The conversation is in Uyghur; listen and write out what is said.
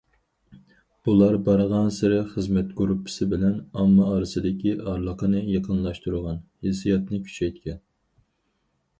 بۇلار بارغانسېرى خىزمەت گۇرۇپپىسى بىلەن ئامما ئارىسىدىكى ئارىلىقنى يېقىنلاشتۇرغان، ھېسسىياتنى كۈچەيتكەن.